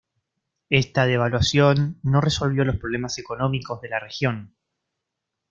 Esta devaluación no resolvió los problemas económicos de la región.